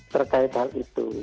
terkait hal itu